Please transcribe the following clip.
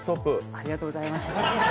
ありがとうございます。